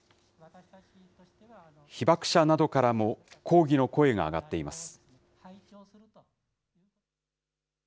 被爆者などからも抗議の声が上がっています。